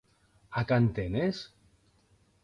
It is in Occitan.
Ac entenes?